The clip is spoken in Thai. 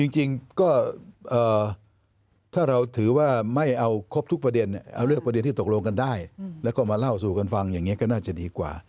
จริงก็ถ้าเราถือว่าไม่เอาครบทุกประเด็นเอาเลือกประเด็นที่ตกลงกันได้แล้วก็มาเล่าสู่กันฟังอย่างนี้ก็น่าจะดีกว่า